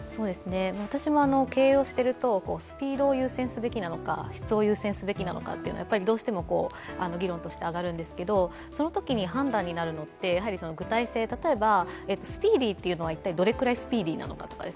私も経営をしているとスピードを優先すべきなのか、質を優先すべきなのかどうしても議論として上がるんですけど、そのときに判断になるのは具体性、例えばスピーディーっていうのは一体、どれぐらいスピーディーなのか。